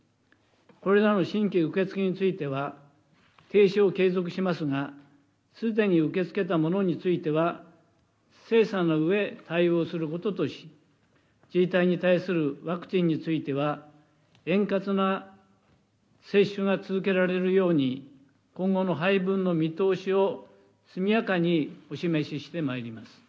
これらの新規受け付けについては、停止を継続しますが、すでに受け付けたものについては、精査のうえ、対応することとし、自治体に対するワクチンについては、円滑な接種が続けられるように、今後の配分の見通しを速やかにお示ししてまいります。